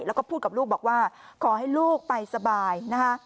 แล้วก็พูดกับลูกบอกว่าขอให้ลูกไปสบายนะคะ